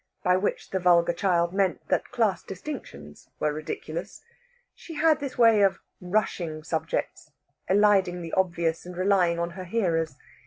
By which the vulgar child meant that class distinctions were ridiculous. She had this way of rushing subjects, eliding the obvious, and relying on her hearers.